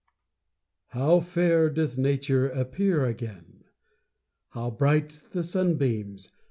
How fair doth Nature Appear again! How bright the sunbeams!